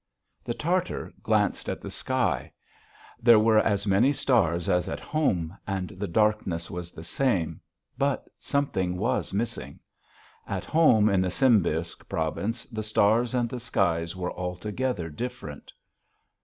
The Tartar glanced at the sky. There were as many stars as at home, and the darkness was the same, but something was missing. At home in the Simbirsk province the stars and the sky were altogether different.